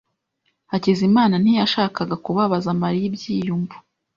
Hakizimana ntiyashakaga kubabaza Mariya ibyiyumvo.